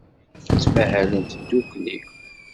Ttmahalent ddukkli.